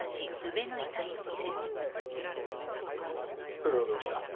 それがどうした？